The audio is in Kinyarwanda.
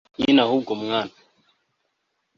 nyineahubwo mwana